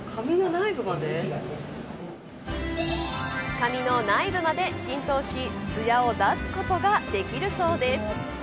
髪の内部まで浸透しつやを出すことができるそうです。